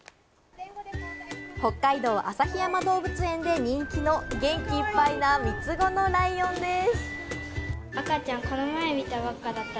北海道旭山動物園で人気の元気いっぱいな三つ子のライアンです。